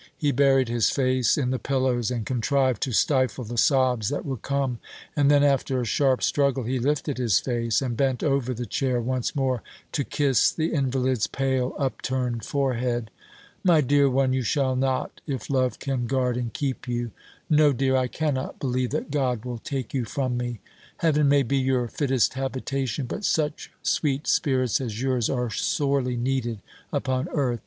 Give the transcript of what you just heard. He buried his face in the pillows, and contrived to stifle the sobs that would come; and then, after a sharp struggle, he lifted his face, and bent over the chair once more to kiss the invalid's pale upturned forehead. "My dear one, you shall not, if love can guard and keep you. No, dear, I cannot believe that God will take you from me. Heaven may be your fittest habitation; but such sweet spirits as yours are sorely needed upon earth.